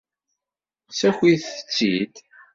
Ssakit-tt-id.